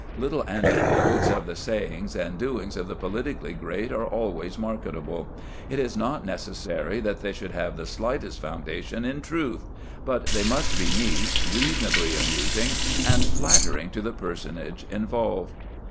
Little anecdotes of the sayings and doings of the politically great are always marketable. It is not necessary that they should have the slightest foundation in truth; but they must be neat, reasonably amusing, and flattering to the personage involved.